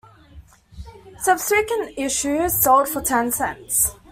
Subsequent issues sold for ten cents.